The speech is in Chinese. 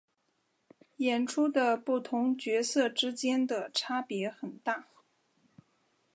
演出的不同角色之间的差别很大。